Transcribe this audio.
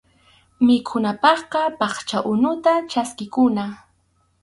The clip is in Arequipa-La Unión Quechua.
Mikhunapaqqa phaqcha unuta chaskikuna.